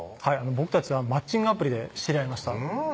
僕たちはマッチングアプリで知り合いました